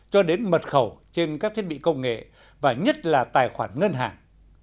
cho đến mật khẩu trên các thiết bị công nghệ và nhất là tài khoản ngân hàng